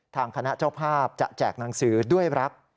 ทางคณะเจ้าภาพจะแจกหนังสือด้วยรัก